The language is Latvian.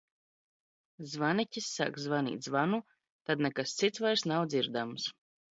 Zvani?is s?k zvan?t zvanu, tad nekas cits vairs nav dzirdams.